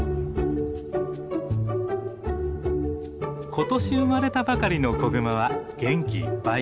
ことし生まれたばかりの子グマは元気いっぱい。